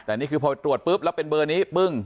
แต่นี่คือพอตรวจปุ๊บแล้วเป็นเบอร์นี้ปึ้ง